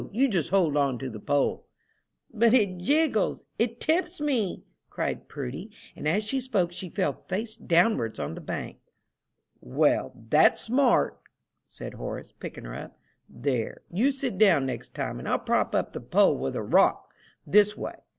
You just hold on to the pole." "But it jiggles it tips me!" cried Prudy; and as she spoke she fell face downwards on the bank. "Well, that's smart!" said Horace, picking her up. "There, you sit down next time, and I'll prop up the pole with a rock this way.